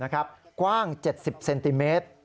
กว้าง๗๐ชม